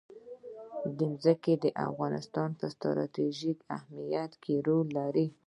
ځمکه د افغانستان په ستراتیژیک اهمیت کې رول لري.